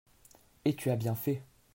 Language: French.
Et tu as bien fait.